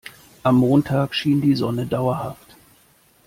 Am Montag schien die Sonne dauerhaft.